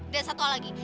dan satu lagi